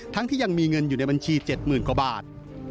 ที่ยังมีเงินอยู่ในบัญชี๗๐๐๐กว่าบาท